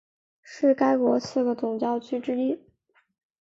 是该国四个总教区之一。